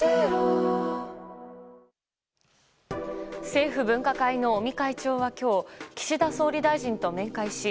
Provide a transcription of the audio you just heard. ＪＴ政府分科会の尾身会長は今日岸田総理大臣と面会し